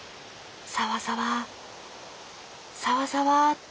サワサワサワサワって。